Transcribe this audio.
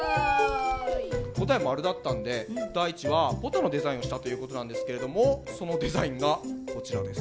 答え〇だったので大馳はポタのデザインをしたということなんですけれどもそのデザインがこちらです。